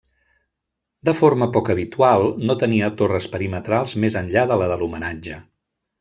De forma poc habitual, no tenia torres perimetrals més enllà de la de l'homenatge.